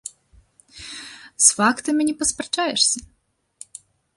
З фактамі не паспрачаешся!